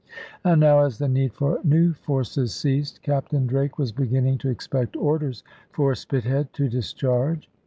And now as the need for new forces ceased, Captain Drake was beginning to expect orders for Spithead to discharge.